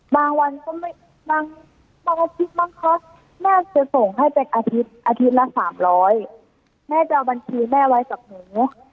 บางวันก็ไม่บางอาทิตย์บางครั้งแม่จะส่งให้เป็นอาทิตย์อาทิตย์ละ๓๐๐แม่จะเอาบัญชีแม่ไว้กับหนู